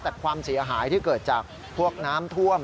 แต่ความเสียหายที่เกิดจากพวกน้ำท่วม